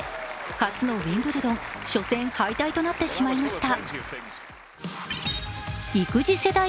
初のウィンブルドン初戦敗退となってしましました。